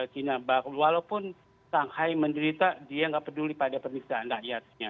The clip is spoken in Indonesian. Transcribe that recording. china walaupun shanghai menderita dia nggak peduli pada pernikahan rakyatnya